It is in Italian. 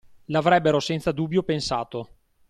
L'avrebbero senza dubbio pensato!